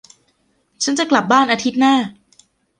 ฉันจะกลับบ้านอาทิตย์หน้า